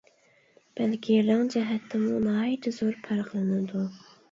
بەلكى رەڭ جەھەتتىمۇ ناھايىتى زور پەرقلىنىدۇ.